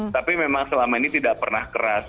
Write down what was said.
tapi memang selama ini tidak pernah keras